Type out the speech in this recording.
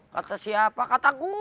kata siapa kata gua